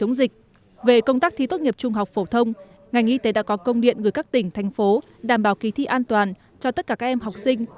ngành y tế đã có công điện gửi các tỉnh thành phố đảm bảo kỳ thi an toàn cho tất cả các em học sinh